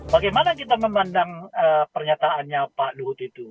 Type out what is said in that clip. bagaimana kita memandang pernyataannya pak luhut itu